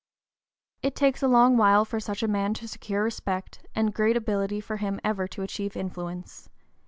It takes a long while for such a man to secure respect, and great ability for him ever to achieve influence.